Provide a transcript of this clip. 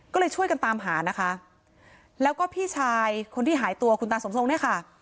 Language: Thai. ก็เลยช่วยกันตามหานะคะแล้วก็พี่ชายคนที่หายตัวคุณตาสมทรงเนี่ยค่ะ